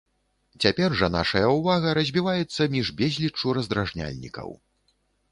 Цяпер жа нашая ўвага разбіваецца між безліччу раздражняльнікаў.